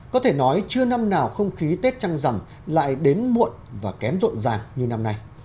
có thể nói chưa năm nào không khí tết trăng rằm lại đến muộn và kém rộn ràng như năm nay